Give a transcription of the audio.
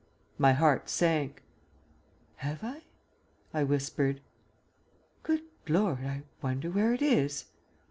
My heart sank. "Have I?" I whispered. "Good Lord, I wonder where it is."